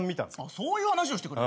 そういう話をしてくれ。